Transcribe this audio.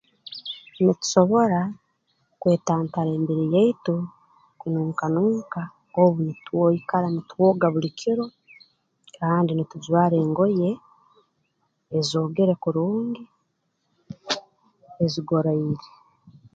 Nitusobora kwetantara emibiri yaitu kununka nunka obu nutwo twikara nitwooga buli kiro kandi nitujwara engoye ezoogere kurungi ezigoroire